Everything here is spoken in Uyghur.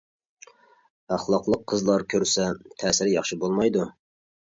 ئەخلاقلىق قىزلار كۆرسە تەسىرى ياخشى بولمايدۇ.